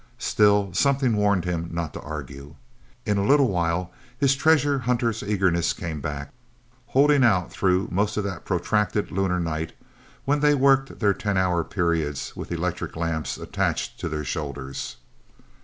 Still, something warned him not to argue. In a little while, his treasure hunter's eagerness came back, holding out through most of that protracted lunar night, when they worked their ten hour periods with electric lamps attached to their shoulders.